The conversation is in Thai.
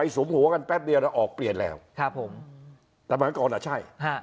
สุมหัวกันแป๊บเดียวแล้วออกเปลี่ยนแล้วครับผมสมัยก่อนอ่ะใช่ฮะ